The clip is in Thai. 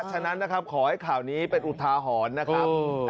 ฉะนั้นนะครับขอให้ข่าวนี้เป็นอุทาหรณ์นะครับ